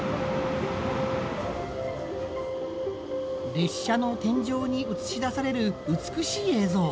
列車の天井に映し出される美しい映像。